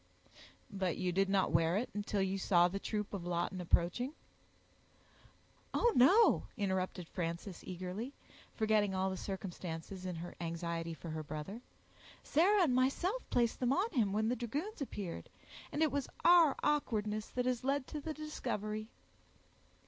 "But you did not wear it, until you saw the troop of Lawton approaching?" "Oh! no," interrupted Frances, eagerly, forgetting all the circumstances in her anxiety for her brother. "Sarah and myself placed them on him when the dragoons appeared; and it was our awkwardness that has led to the discovery."